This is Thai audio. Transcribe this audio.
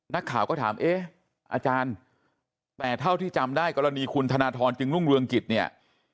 นักข่าวก็ถามเอ๊ะอาจารย์แต่เท่าที่จำได้กรณีคุณธนทรจึงรุ่งเรืองกิจเนี่ย